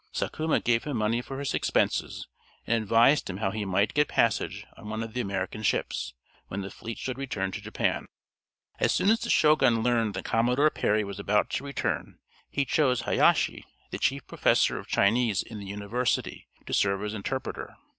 Sakuma gave him money for his expenses, and advised him how he might get passage on one of the American ships, when the fleet should return to Japan. As soon as the Shogun learned that Commodore Perry was about to return he chose Hayâshi, the chief professor of Chinese in the university, to serve as interpreter.